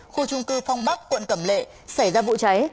khu trung cư phong bắc quận cẩm lệ xảy ra vụ cháy